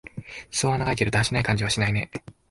すそは長いけど、だらしない感じはしないね。